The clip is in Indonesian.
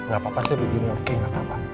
gak apa apa saya begini oke nggak apa apa